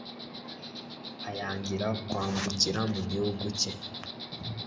ayangira kwambukira mu gihugu cye